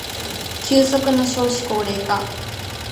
急速な少子高齢化